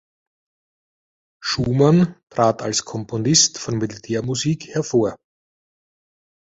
Schumann trat als Komponist von Militärmusik hervor.